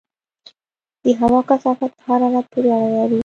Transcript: د هوا کثافت په حرارت پورې اړه لري.